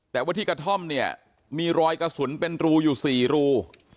แต่ว่าที่กระท่อมเนี่ยมีรอยกระสุนเป็นรูอยู่๔รู